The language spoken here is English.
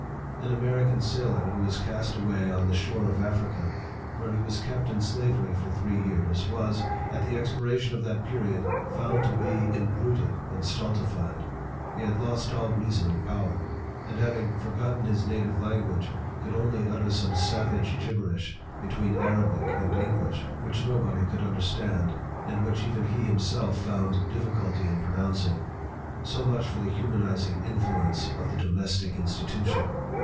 An American sailor, who was cast away on the shore of Africa, where he was kept in slavery for three years, was, at the expiration of that period, found to be imbruted and stultified he had lost all reasoning power; and hav ing forgotten his native language, could only utter some savage gibberish between Arabic and English, which nobody could understand, and which even he himself found difficulty in pronouncing^ So much for the hu manizing influence of THE DOMESTIC INSTITUTION